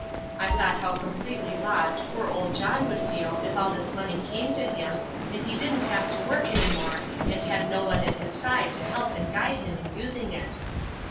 I thought how completely lost poor old John would feel if all this money came to him and he didn't have to work any more and had no one at his side to help and guide him in using it.